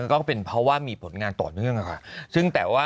ก็เป็นเพราะว่ามีผลงานต่อเนื่องค่ะ